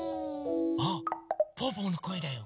あっぽぅぽのこえだよ。